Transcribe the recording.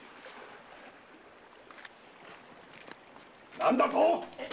何だとっ⁉